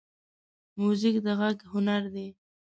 موزیک د غږ هنر دی.